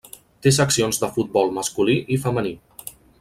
Té seccions de futbol masculí i femení.